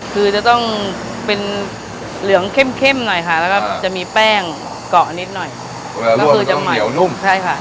คือจะต้องเป็นเหลืองเข้มเข้มหน่อยค่ะแล้วก็จะมีแป้งเกาะนิดหน่อยก็คือจะใหม่เหนียวนุ่มใช่ค่ะ